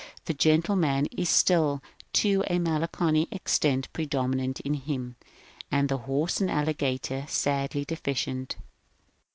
The gentle man is still to a melancholy extent predominant in him, the horse and alligator sadly deficient.